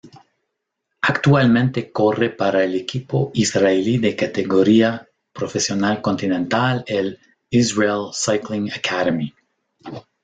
Actualmente corre para el equipo israelí de categoría Profesional Continental el Israel Cycling Academy.